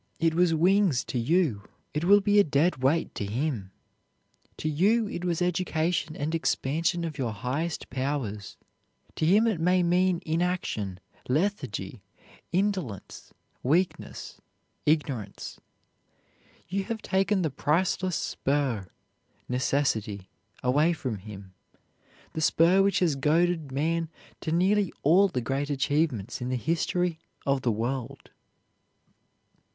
It was wings to you, it will be a dead weight to him; to you it was education and expansion of your highest powers; to him it may mean inaction, lethargy, indolence, weakness, ignorance. You have taken the priceless spur necessity away from him, the spur which has goaded man to nearly all the great achievements in the history of the world.